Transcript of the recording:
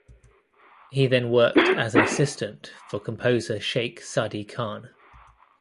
He then worked as an assistant for composer Sheikh Sadi Khan.